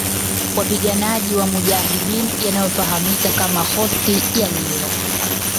wapiganaji wa mujahideen yanayo fahamika kama Khost yaliyo